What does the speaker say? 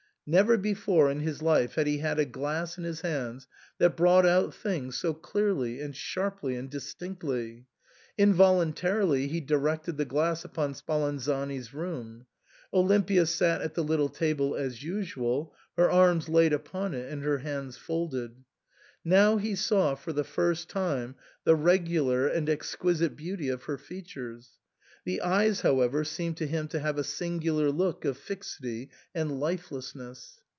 Never before in his life had he had a glass in his hands that brought out things so clearly and sharply and dis tinctly. Involuntarily he directed the glass upon Spa lanzani's room ; Olimpia sat at the little table as usual, her arms laid upon it and her hands folded. Now he saw for the first time the regular and exquisite beauty of her features. The eyes, however, seemed to him to have a singular look of fixity and lifelesness.